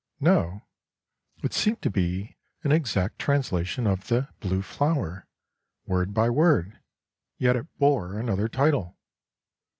No; it seemed to be an exact translation of the ' 'Blue Flower / 'word by word, yet it bore another title.